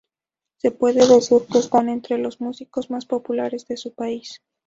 Se puede decir que están entre los músicos más populares de su país.